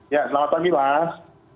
ya selamat pagi pak